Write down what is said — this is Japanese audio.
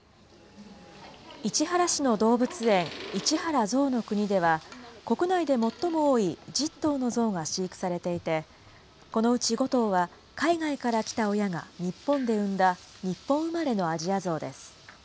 市原市の動物園、市原ぞうの国では、国内で最も多い１０頭のゾウが飼育されていて、このうち５頭は、海外から来た親が日本で生んだ、日本生まれのアジアゾウです。